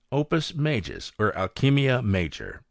Opus Majus, or Alchymia Major.